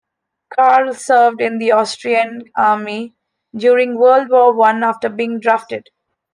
Carl served in the Austrian army during World War One after being drafted.